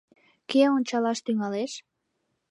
Кӧ ончалаш тӱҥалеш?